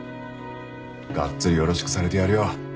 がっつりよろしくされてやるよ。